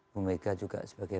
bu mega juga sebagai